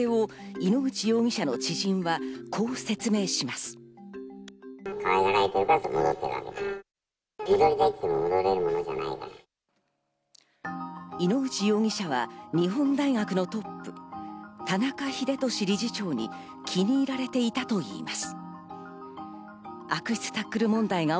井ノ口容疑者は日本大学のトップ、田中英壽理事長に気に入られていたといいます。